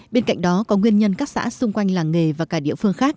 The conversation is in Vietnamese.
bên cạnh đó có nguyên nhân các xã xung quanh làng nghề và cả địa phương khác